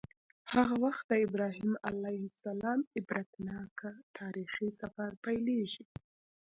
هغه وخت د ابراهیم علیه السلام عبرتناک تاریخي سفر پیلیږي.